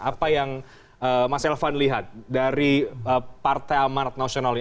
apa yang mas elvan lihat dari partai amarat nasional ini